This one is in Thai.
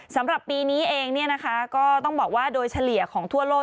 สำหรับปีนี้เองก็ต้องบอกว่าโดยเฉลี่ยของทั่วโลก